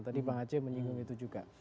tadi bang aceh menyinggung itu juga